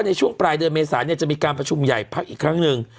ในช่วงปลายเดือนเมษาเนี่ยจะมีการประชุมใหญ่พักอีกครั้งหนึ่ง